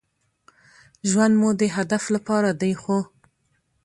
ژوند مو د هدف لپاره دی ،خو